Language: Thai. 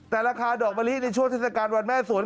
แต่ราคาดอกมะลิในช่วงเทศกาลวันแม่สวน